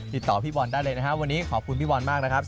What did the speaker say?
ติดต่อพี่บอลได้เลยนะครับ